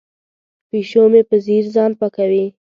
پیشو مې په ځیر ځان پاکوي.